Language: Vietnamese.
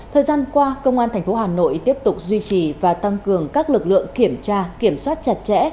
thời gian qua công an tp hà nội tiếp tục duy trì và tăng cường các lực lượng kiểm tra kiểm soát chặt chẽ